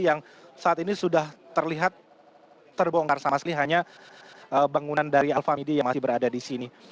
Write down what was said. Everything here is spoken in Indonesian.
yang saat ini sudah terlihat terbongkar sama sekali hanya bangunan dari alfamidi yang masih berada di sini